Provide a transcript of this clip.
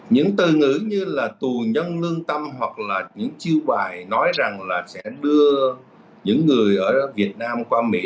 những từ ngữ như là tù nhân lương tâm hoặc là những chiêu bài nói rằng là sẽ đưa những người ở việt nam qua mỹ